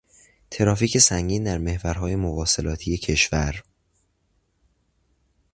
ترافیک سنگین در محورهای مواصلاتی کشور